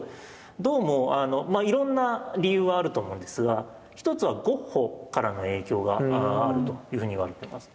どうもあのいろんな理由はあると思うんですが１つはゴッホからの影響があるというふうに言われています。